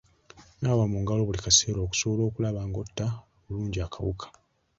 Naaba mu ngalo buli kaseera okusobola okulaba ng'otta bulungi akawuka.